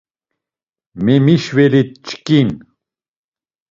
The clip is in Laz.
Memişvelit çkin!